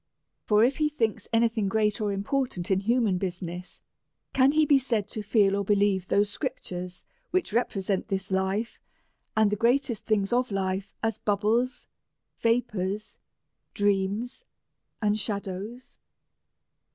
For if he thinks any thing great or important in human business, can he be said to feel or believe those scrip tures which represent this life, and the greatest thing's of life, as bubbles, vapours, dreams, and shadows